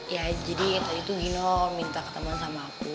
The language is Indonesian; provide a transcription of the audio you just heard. ya jadi tadi tuh gino minta ketemuan sama aku